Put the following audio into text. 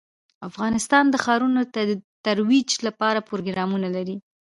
افغانستان د ښارونه د ترویج لپاره پروګرامونه لري.